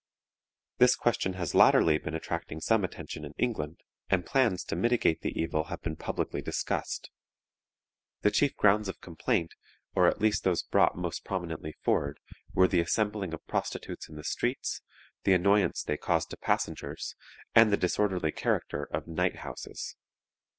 This question has latterly been attracting some attention in England, and plans to mitigate the evil have been publicly discussed. The chief grounds of complaint, or at least those brought most prominently forward, were the assembling of prostitutes in the streets, the annoyance they caused to passengers, and the disorderly character of "night houses."